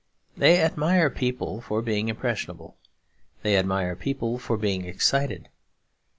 They admire people for being impressionable. They admire people for being excited.